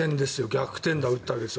逆転打を打ったわけです。